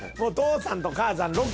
父さんと母さん。